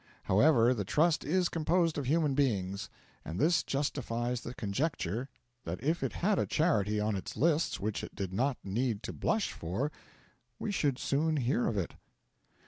However, the Trust is composed of human beings; and this justifies the conjecture that if it had a charity on its list which it did not need to blush for, we should soon hear of it.